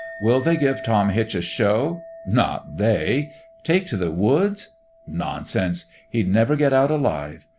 Will they give Tom Hitch a show ? Not they ! Take to the woods? Nonsense! He'd never get out alive.